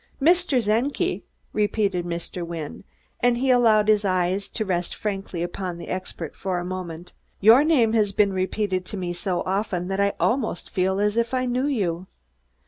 "Mr. Czenki," repeated Mr. Wynne, and he allowed his eyes to rest frankly upon the expert for a moment. "Your name has been repeated to me so often that I almost feel as if I knew you."